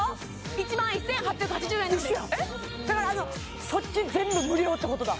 １万１８８０円です一緒やんだからそっち全部無料ってことだ